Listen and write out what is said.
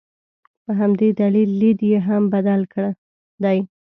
په همدې دلیل لید یې هم بدل دی.